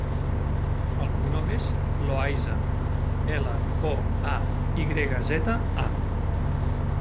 El cognom és Loayza: ela, o, a, i grega, zeta, a.